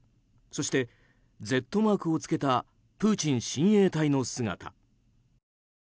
そして、Ｚマークを付けたプーチン親衛隊の姿。